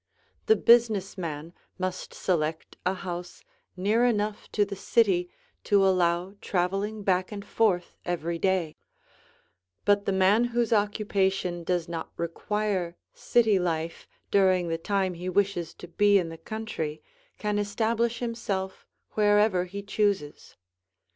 The business man must select a house near enough to the city to allow traveling back and forth every day; but the man whose occupation does not require city life during the time he wishes to be in the country can establish himself wherever he chooses.